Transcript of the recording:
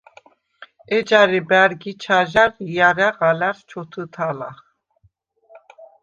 ეჯარე ბა̈რგ ი ჩაჟა̈რ ი ჲარა̈ღ ალა̈რს ჩოთჷთალახ.